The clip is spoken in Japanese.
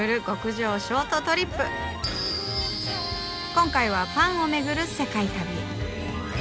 今回はパンをめぐる世界旅へ。